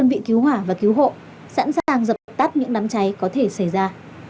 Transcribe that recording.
hơn một năm trăm linh nhân viên từ các đơn vị cứu hỏa và cứu hộ sẵn sàng dập tắt những đám cháy có thể xảy ra